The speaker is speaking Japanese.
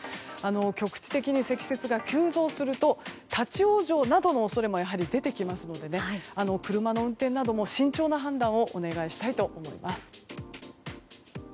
局地的に積雪が急増すると立ち往生などの恐れも出てきますので車の運転なども慎重な判断をお願いしたいと思います。